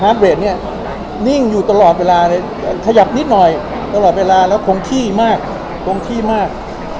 ฮาร์ทเบรดนี่นิ่งอยู่ตลอดเวลาเนี่ยขยับหน้านิดหน่อยตลอดเวลาแล้วคงขี้มาก